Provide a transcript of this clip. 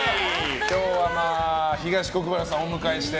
今日は東国原さんをお迎えして。